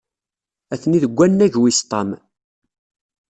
Atni deg wannag wis ṭam.